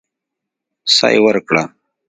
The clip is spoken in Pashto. سا يې ورکړه.